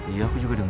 iya aku juga denger